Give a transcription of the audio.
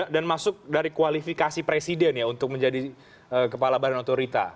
dan masuk dari kualifikasi presiden ya untuk menjadi kepala badan otorita